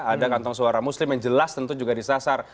ada kantong suara muslim yang jelas tentu juga disasar